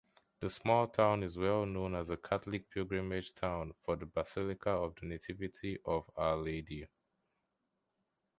The small town is well-known as a catholic pilgrimage town for the Basilica of the Nativity of Our Lady.